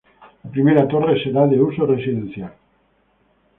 La primera torre será de uso residencial.